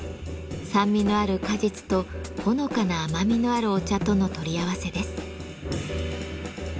酸味のある果実とほのかな甘みのあるお茶との取り合わせです。